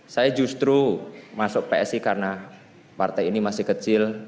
saya justru masuk psi karena partai ini masih kecil